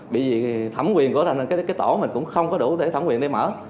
vì thẩm quyền của tổ mình cũng không có đủ để thẩm quyền để mở